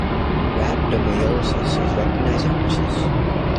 Rhabdomyolysis is recognized in horses.